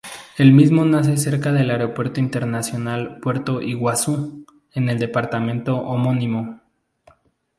El mismo nace cerca del aeropuerto Internacional Puerto Iguazú, en el departamento homónimo.